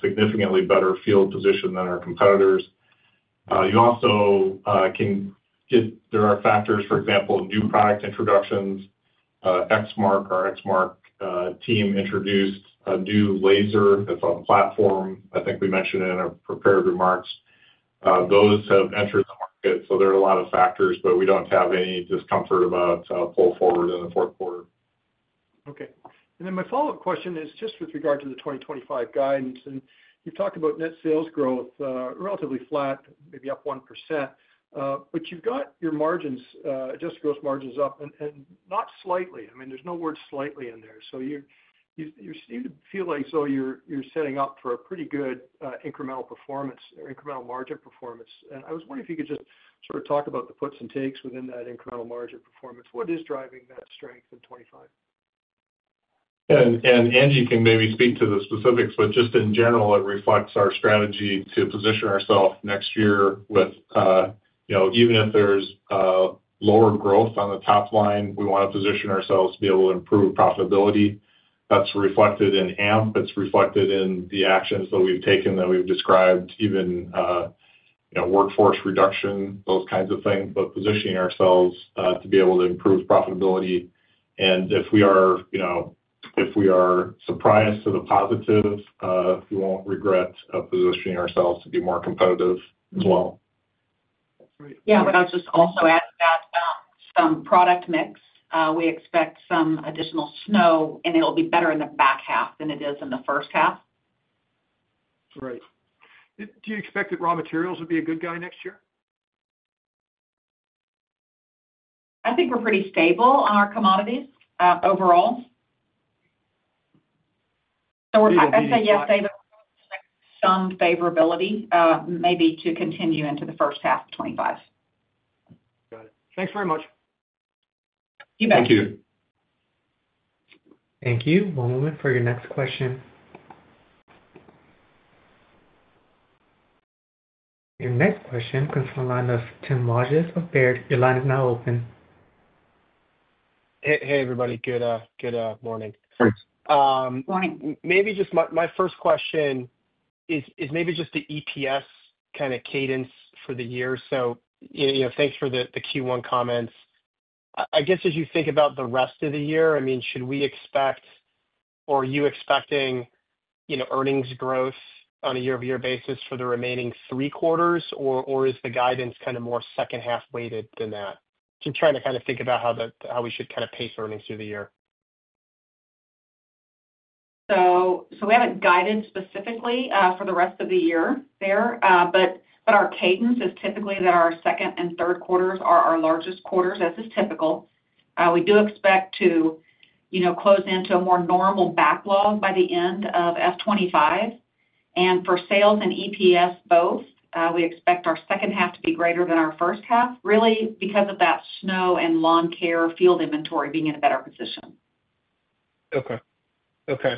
significantly better field position than our competitors. You also can get there are factors, for example, new product introductions. Exmark, our Exmark team, introduced a new Lazer Z. It's a platform. I think we mentioned it in our prepared remarks. Those have entered the market. So there are a lot of factors, but we don't have any discomfort about pull forward in the fourth quarter. Okay. And then my follow-up question is just with regard to the 2025 guidance. And you've talked about net sales growth relatively flat, maybe up 1%. But you've got your margins, adjusted gross margins up, and not slightly. I mean, there's no word slightly in there. So you seem to feel like you're setting up for a pretty good incremental performance or incremental margin performance. And I was wondering if you could just sort of talk about the puts and takes within that incremental margin performance. What is driving that strength in '25? And Angie can maybe speak to the specifics, but just in general, it reflects our strategy to position ourselves next year, with even if there's lower growth on the top line, we want to position ourselves to be able to improve profitability. That's reflected in AMP. It's reflected in the actions that we've taken that we've described, even workforce reduction, those kinds of things, but positioning ourselves to be able to improve profitability. And if we are surprised to the positive, we won't regret positioning ourselves to be more competitive as well. Yeah. I would just also add that some product mix, we expect some additional snow, and it'll be better in the back half than it is in the first half. Right. Do you expect that raw materials will be a good guy next year? I think we're pretty stable on our commodities overall. So I'd say yes, David, some favorability maybe to continue into the first half of '25. Got it. Thanks very much. You bet. Thank you. Thank you. One moment for your next question. Your next question comes from the line of Tim Wojs of Baird. Your line is now open. Hey, everybody. Good morning. Good morning. Maybe just my first question is maybe just the EPS kind of cadence for the year. So thanks for the Q1 comments. I guess as you think about the rest of the year, I mean, should we expect or are you expecting earnings growth on a year-over-year basis for the remaining three quarters, or is the guidance kind of more second-half weighted than that? Just trying to kind of think about how we should kind of pace earnings through the year. So we haven't guided specifically for the rest of the year there. But our cadence is typically that our second and third quarters are our largest quarters, as is typical. We do expect to close into a more normal backlog by the end of F25. And for sales and EPS both, we expect our second half to be greater than our first half, really because of that snow and lawn care field inventory being in a better position. Okay. Okay.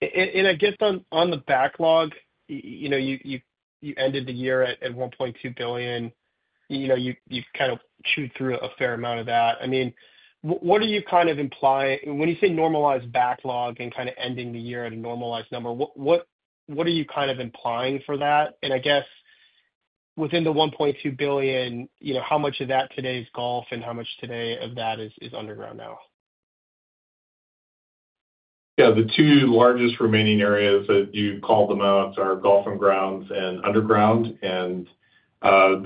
And I guess on the backlog, you ended the year at $1.2 billion. You've kind of chewed through a fair amount of that. I mean, what are you kind of implying when you say normalized backlog and kind of ending the year at a normalized number, what are you kind of implying for that? And I guess within the $1.2 billion, how much of that today is golf and how much today of that is underground now? Yeah. The two largest remaining areas that you called them out are golf and grounds and underground, and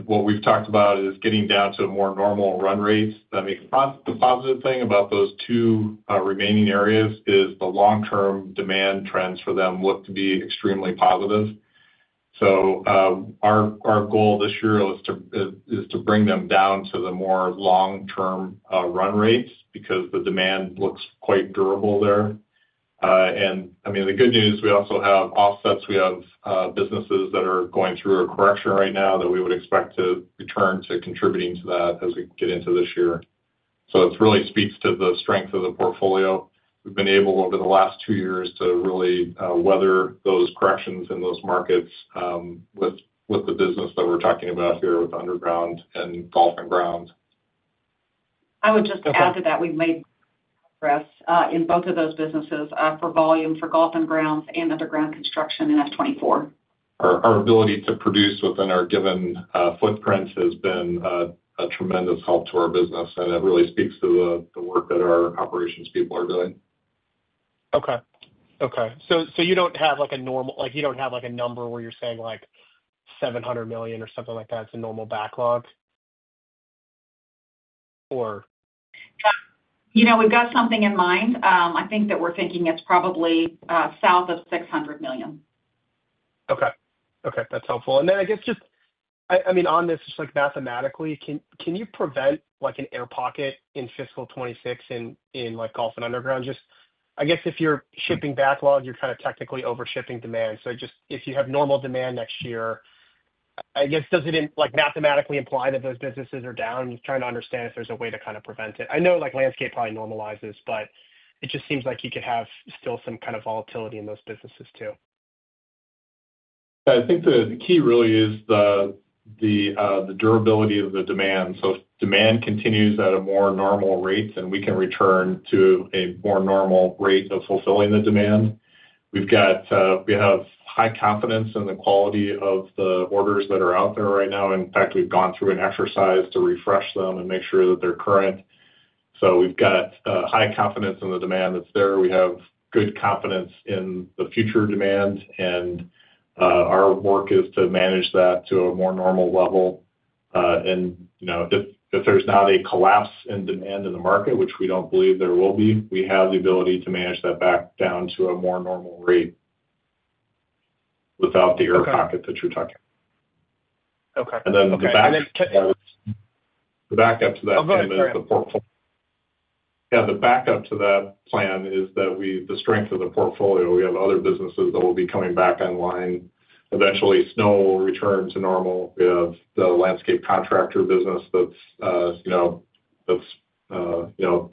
what we've talked about is getting down to more normal run rates. The positive thing about those two remaining areas is the long-term demand trends for them look to be extremely positive, so our goal this year is to bring them down to the more long-term run rates because the demand looks quite durable there, and I mean, the good news, we also have offsets. We have businesses that are going through a correction right now that we would expect to return to contributing to that as we get into this year, so it really speaks to the strength of the portfolio. We've been able over the last two years to really weather those corrections in those markets with the business that we're talking about here with underground and golf and grounds. I would just add to that we've made progress in both of those businesses for volume for golf and grounds and underground construction in F24. Our ability to produce within our given footprints has been a tremendous help to our business. And it really speaks to the work that our operations people are doing. Okay. Okay. So you don't have a normal you don't have a number where you're saying $700 million or something like that's a normal backlog, or? We've got something in mind. I think that we're thinking it's probably south of $600 million. Okay. Okay. That's helpful. And then I guess just, I mean, on this, just mathematically, can you prevent an air pocket in fiscal 2026 in golf and underground? Just I guess if you're shipping backlog, you're kind of technically overshipping demand. So just if you have normal demand next year, I guess does it mathematically imply that those businesses are down? I'm trying to understand if there's a way to kind of prevent it. I know landscape probably normalizes, but it just seems like you could have still some kind of volatility in those businesses too. I think the key really is the durability of the demand, so if demand continues at a more normal rate and we can return to a more normal rate of fulfilling the demand, we have high confidence in the quality of the orders that are out there right now. In fact, we've gone through an exercise to refresh them and make sure that they're current, so we've got high confidence in the demand that's there. We have good confidence in the future demand, and our work is to manage that to a more normal level. And if there's not a collapse in demand in the market, which we don't believe there will be, we have the ability to manage that back down to a more normal rate without the air pocket that you're talking about. And then the backup to that plan is the portfolio. Yeah. The backup to that plan is the strength of the portfolio. We have other businesses that will be coming back online. Eventually, snow will return to normal. We have the landscape contractor business that's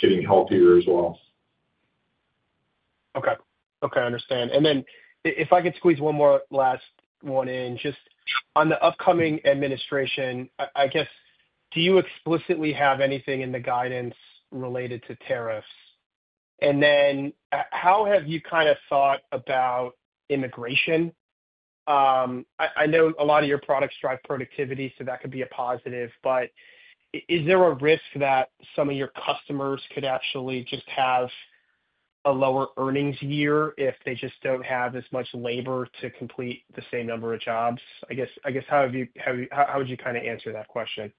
getting healthier as well. Okay. Okay. I understand. And then if I could squeeze one more last one in, just on the upcoming administration, I guess, do you explicitly have anything in the guidance related to tariffs? And then how have you kind of thought about immigration? I know a lot of your products drive productivity, so that could be a positive. But is there a risk that some of your customers could actually just have a lower earnings year if they just don't have as much labor to complete the same number of jobs? I guess, how would you kind of answer that question?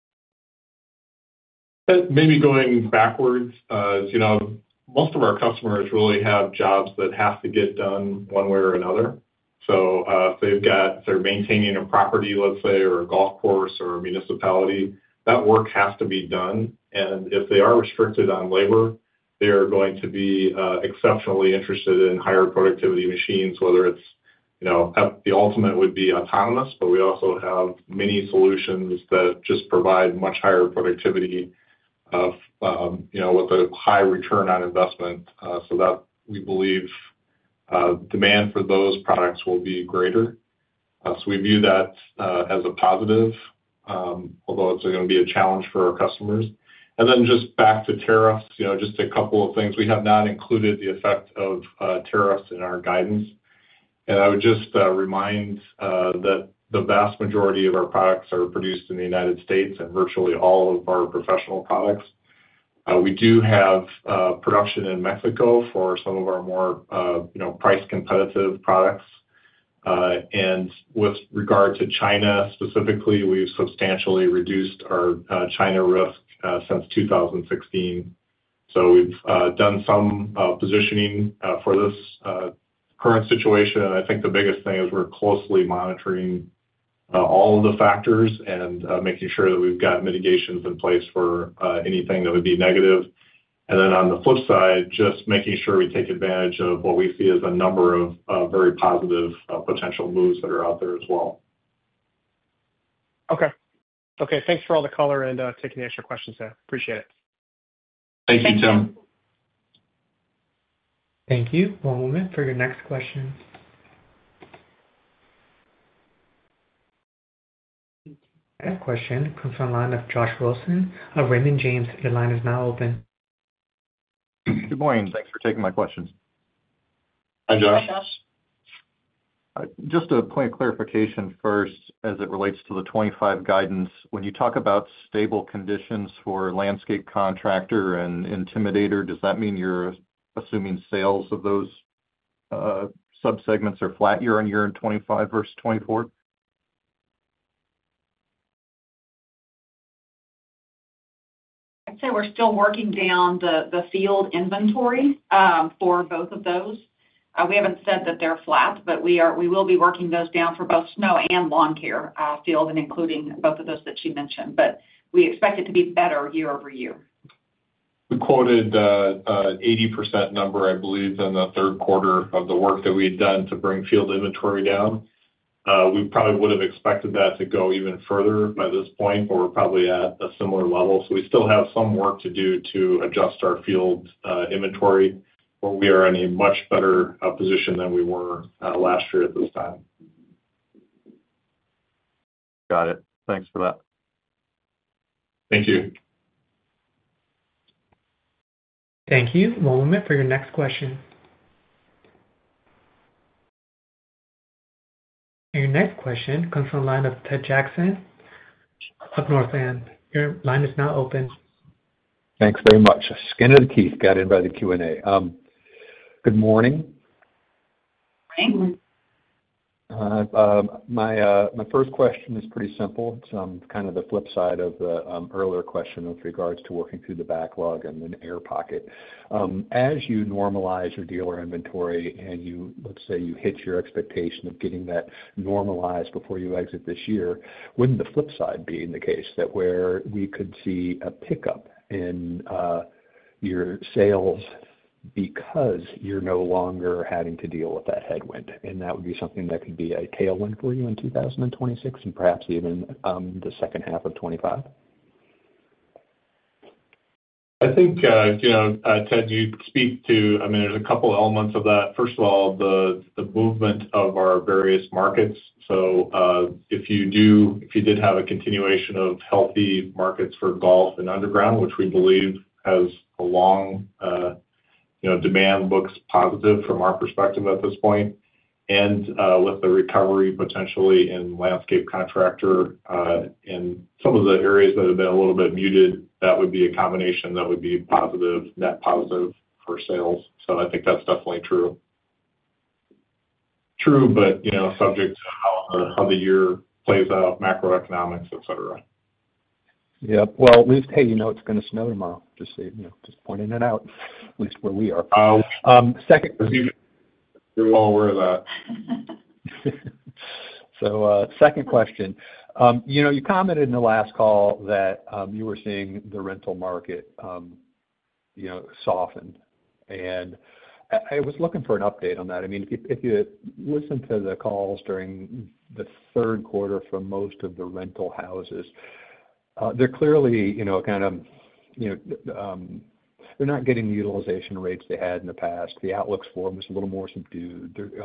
Maybe going backwards, most of our customers really have jobs that have to get done one way or another. So if they're maintaining a property, let's say, or a golf course or a municipality, that work has to be done. And if they are restricted on labor, they are going to be exceptionally interested in higher productivity machines, whether it's the ultimate would be autonomous, but we also have many solutions that just provide much higher productivity with a high return on investment, so that we believe demand for those products will be greater. So we view that as a positive, although it's going to be a challenge for our customers. And then just back to tariffs, just a couple of things. We have not included the effect of tariffs in our guidance. And I would just remind that the vast majority of our products are produced in the United States and virtually all of our professional products. We do have production in Mexico for some of our more price-competitive products. And with regard to China specifically, we've substantially reduced our China risk since 2016. So we've done some positioning for this current situation. And I think the biggest thing is we're closely monitoring all of the factors and making sure that we've got mitigations in place for anything that would be negative. And then on the flip side, just making sure we take advantage of what we see as a number of very positive potential moves that are out there as well. Okay. Okay. Thanks for all the color and taking the extra questions there. Appreciate it. Thank you, Tim. Thank you. One moment for your next question. Next question comes from the line of Josh Wilson of Raymond James. Your line is now open. Good morning. Thanks for taking my questions. Hi, Josh. Hi, Josh. Just a point of clarification first as it relates to the 2025 guidance. When you talk about stable conditions for landscape contractor and Intimidator, does that mean you're assuming sales of those subsegments are flat year-on-year in 2025 versus 2024? I'd say we're still working down the field inventory for both of those. We haven't said that they're flat, but we will be working those down for both snow and lawn care field and including both of those that you mentioned. But we expect it to be better year-over-year. We quoted an 80% number, I believe, in the third quarter of the work that we had done to bring field inventory down. We probably would have expected that to go even further by this point, but we're probably at a similar level. So we still have some work to do to adjust our field inventory where we are in a much better position than we were last year at this time. Got it. Thanks for that. Thank you. Thank you. One moment for your next question. Your next question comes from the line of Ted Jackson of Northland. Your line is now open. Thanks very much. skin of the teeth, got in by the Q&A. Good morning. Good morning. My first question is pretty simple. It's kind of the flip side of the earlier question with regards to working through the backlog and an air pocket. As you normalize your dealer inventory and let's say you hit your expectation of getting that normalized before you exit this year, wouldn't the flip side be in the case that where we could see a pickup in your sales because you're no longer having to deal with that headwind, and that would be something that could be a tailwind for you in 2026 and perhaps even the second half of 2025? I think, Ted, you speak to, I mean, there's a couple of elements of that. First of all, the movement of our various markets. So if you did have a continuation of healthy markets for golf and underground, which we believe has a long demand looks positive from our perspective at this point, and with the recovery potentially in landscape contractor in some of the areas that have been a little bit muted, that would be a combination that would be positive, net positive for sales. So I think that's definitely true, true, but subject to how the year plays out, macroeconomics, etc. Yep. Well, at least hey, you know it's going to snow tomorrow. Just pointing it out, at least where we are. Second question. You're well aware of that. So second question. You commented in the last call that you were seeing the rental market softened. And I was looking for an update on that. I mean, if you listen to the calls during the third quarter for most of the rental houses, they're clearly kind of they're not getting the utilization rates they had in the past. The outlook for them is a little more subdued. They're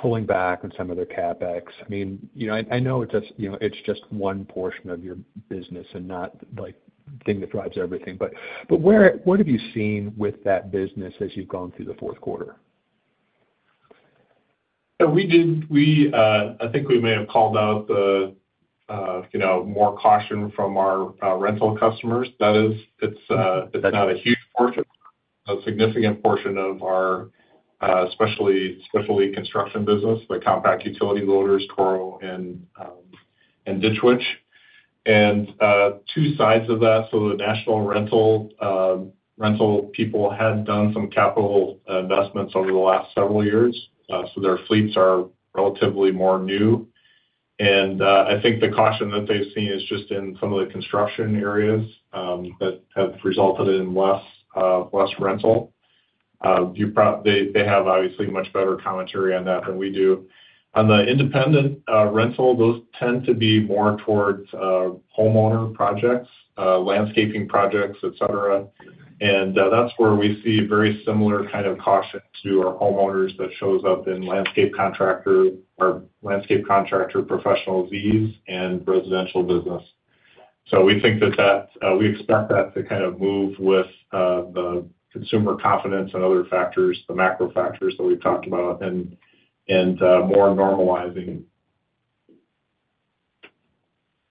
pulling back on some of their CapEx. I mean, I know it's just one portion of your business and not the thing that drives everything. But what have you seen with that business as you've gone through the fourth quarter? We did. I think we may have called out the more caution from our rental customers. That is, it's not a huge portion, a significant portion of our specialty construction business, the compact utility loaders, Dingo, and Ditch Witch. And two sides of that. So the national rental people had done some capital investments over the last several years. So their fleets are relatively more new. And I think the caution that they've seen is just in some of the construction areas that have resulted in less rental. They have obviously much better commentary on that than we do. On the independent rental, those tend to be more towards homeowner projects, landscaping projects, etc. And that's where we see a very similar kind of caution to our homeowners that shows up in landscape contractor or landscape contractor professional Zs and residential business. So we think that we expect that to kind of move with the consumer confidence and other factors, the macro factors that we've talked about, and more normalizing.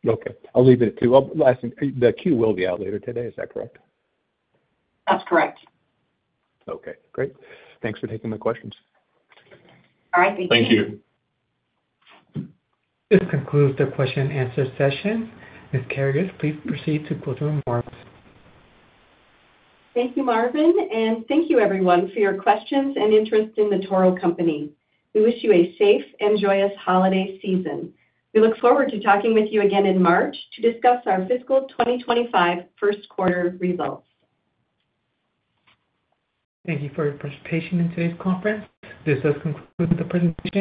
Okay. I'll leave it at two. The Q will be out later today. Is that correct? That's correct. Okay. Great. Thanks for taking my questions. All right. Thank you. Thank you. This concludes the question-and-answer session. Ms. Kerekes, please proceed to closing remarks. Thank you, Marvin. Thank you, everyone, for your questions and interest in the Toro Company. We wish you a safe and joyous holiday season. We look forward to talking with you again in March to discuss our fiscal 2025 first quarter results. Thank you for your participation in today's conference. This does conclude the presentation.